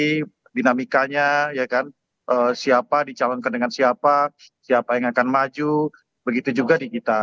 jadi dinamikanya ya kan siapa dicalonkan dengan siapa siapa yang akan maju begitu juga di kita